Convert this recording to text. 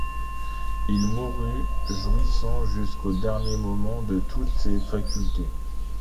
Il mourut, jouissant jusqu’au dernier moment de toutes ses facultés.